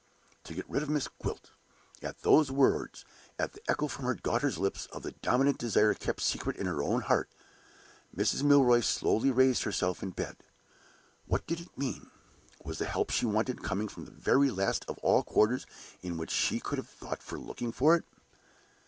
To get rid of Miss Gwilt! At those words at that echo from her daughter's lips of the one dominant desire kept secret in her own heart Mrs. Milroy slowly raised herself in bed. What did it mean? Was the help she wanted coming from the very last of all quarters in which she could have thought of looking for it?